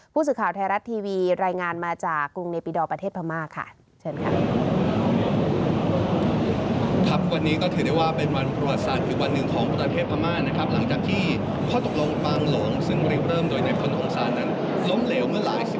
พูดสุข่าวไทยรัฐทีวีรายงานมาจากกรุงเนปิดอลประเทศพม่า